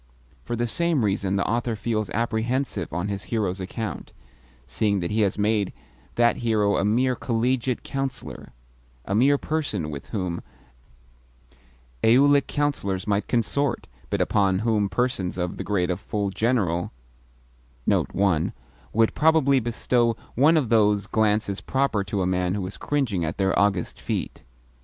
For the same reason the author feels apprehensive on his hero's account, seeing that he has made that hero a mere Collegiate Councillor a mere person with whom Aulic Councillors might consort, but upon whom persons of the grade of full General would probably bestow one of those glances proper to a man who is cringing at their august feet.